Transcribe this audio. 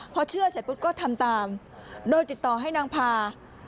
พอเชื่อเสร็จปุ๊บก็ทำตามโดยติดต่อให้นางพา